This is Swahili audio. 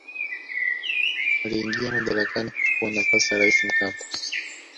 aliingia madarakani kuchukua nafasi ya raisi mkapa